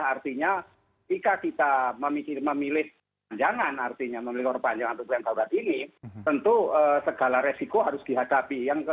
artinya jika kita memilih panjangan artinya memilih korban yang darurat ini tentu segala resiko harus dihadapi